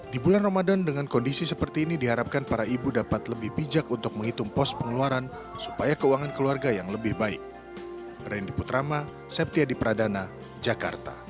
di bulan ramadan dengan kondisi seperti ini diharapkan para ibu dapat lebih bijak untuk menghitung pos pengeluaran supaya keuangan keluarga yang lebih baik